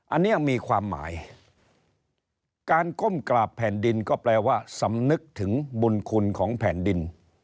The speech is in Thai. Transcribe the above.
อันนี้มีความหมายการก้มกราบแผ่นดินก็แปลว่าสำนึกถึงบุญคุณของแผ่นดิน